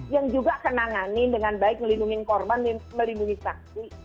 yang juga akan nanganin dengan baik melindungi korban melindungi saksi